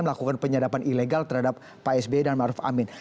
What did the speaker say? melakukan penyadapan ilegal terhadap pak sby dan maruf amin